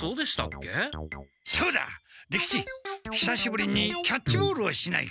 久しぶりにキャッチボールをしないか？